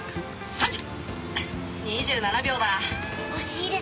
３０！